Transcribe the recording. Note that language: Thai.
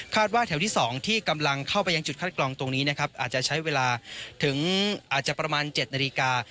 ว่าแถวที่๒ที่กำลังเข้าไปยังจุดคัดกรองตรงนี้นะครับอาจจะใช้เวลาถึงอาจจะประมาณ๗นาฬิกา